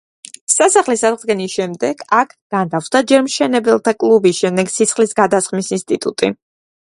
სასახლის აღდგენის შემდეგ აქ განთავსდა ჯერ მშენებელთა კლუბი, შემდეგ სისხლის გადასხმის ინსტიტუტი.